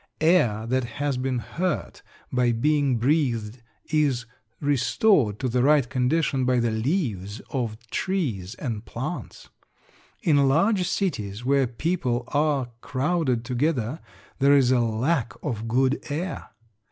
Air that has been hurt by being breathed is restored to the right condition by the leaves of trees and plants. In large cities where people are crowded together there is a lack of good air.